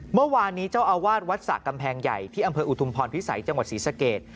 เมื่อวานนี้เจ้าอาวาสวัดสระกำแพงใหญ่ที่อำเภออุทุมพรพิสัยจังหวัดศรีสเกต